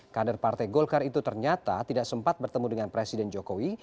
kader partai golkar itu ternyata tidak sempat bertemu dengan presiden jokowi